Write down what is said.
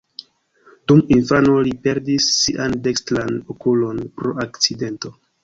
Dum infano li perdis sian dekstran okulon pro akcidento.